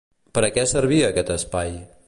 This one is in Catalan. Per a què servia, aquest espai?